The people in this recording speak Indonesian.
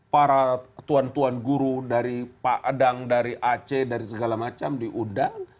para tuan tuan guru dari pak adang dari aceh dari segala macam diundang